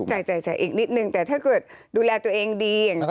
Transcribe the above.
ใช่อีกนิดนึงแต่ถ้ามาดูแลตัวเองดี